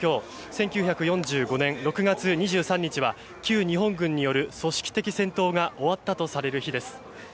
１９４５年６月２３日は旧日本軍による組織的戦闘が終わったとされる日です。